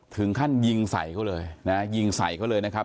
ถึงขั้นยิงใส่เขาเลยนะยิงใส่เขาเลยนะครับ